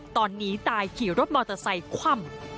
ตอนนี้ตายขี่รถมอเตอร์ไซค์คว่ำ